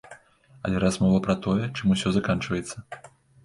Але размова пра тое, чым усё заканчваецца.